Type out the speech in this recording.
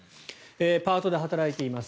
パートで働いています。